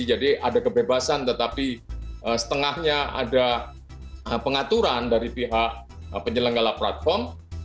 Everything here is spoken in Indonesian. ada kebebasan tetapi setengahnya ada pengaturan dari pihak penyelenggara platform